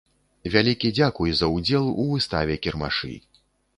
Вялікі дзякуй за ўдзел у выставе-кірмашы.